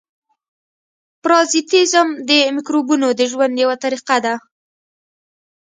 پرازیتېزم د مکروبونو د ژوند یوه طریقه ده.